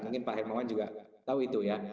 mungkin pak hermawan juga tahu itu ya